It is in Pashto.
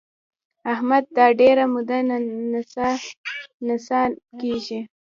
احمد دا ډېره موده ننڅه ننڅه کېږي.